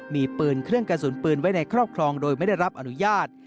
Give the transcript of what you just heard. มีปืนเครื่องกระสุนปืนไว้ในครอบครองโดยไม่ได้รับอนุญาต